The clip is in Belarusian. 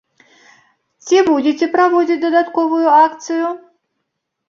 Ці будзеце праводзіць дадатковую акцыю?